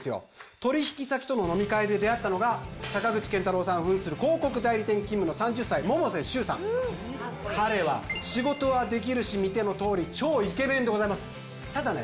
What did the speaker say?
取引先との飲み会で出会ったのが坂口健太郎さん扮する・かっこいい彼は仕事はできるし見てのとおり超イケメンでございますただね